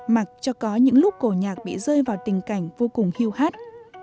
mặc cho có những lúc cổ nhạc bị rơi vào tình cảnh vô cùng hưu hắt